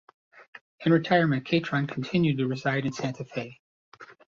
In retirement Catron continued to reside in Santa Fe.